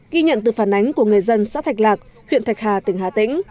ghi nhận từ phản ánh của người dân xã thạch lạc huyện thạch hà tỉnh hà tĩnh